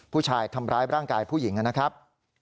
ผู้ชายทำร้ายร่างกายผู้หญิงนะครับ